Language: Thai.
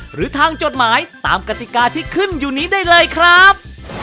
หรือทางจดหมายตามกติกาที่ขึ้นอยู่นี้ได้เลยครับ